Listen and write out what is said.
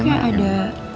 kok kayak ada